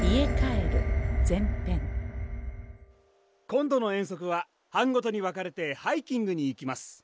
・今度の遠足は班ごとに分かれてハイキングに行きます。